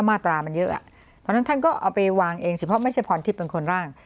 มาตรามันเยอะอ่ะเพราะฉะนั้นท่านก็เอาไปวางเองสิเพราะไม่ใช่พรทิพย์เป็นคนร่าง